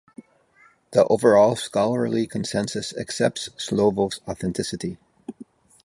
The overall scholarly consensus accepts Slovo's authenticity.